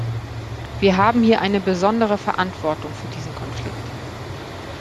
Wir haben hier eine besondere Verantwortung für diesen Konflikt.